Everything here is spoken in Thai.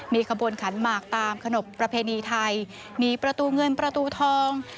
มีขบวนขันหมากตามขนบประเพณีไทยมีประตูเงินประตูทอง